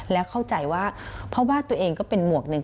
แล้วเข้าใจว่าเพราะว่าตัวเองก็เป็นหมวกหนึ่ง